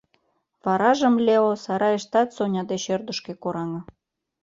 Варажым Лео сарайыштат Соня деч ӧрдыжкӧ кораҥе.